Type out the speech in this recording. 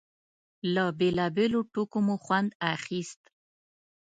له بېلابېلو ټوکو مو خوند اخيست.